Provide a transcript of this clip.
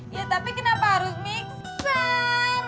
ya tapi kenapa harus mixer